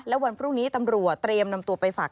และวันพรุ่งนี้ตำรวจเตรียมนำตัวไปฝาก